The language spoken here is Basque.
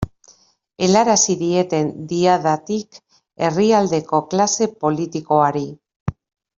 Helarazi dieten Diadatik herrialdeko klase politikoari.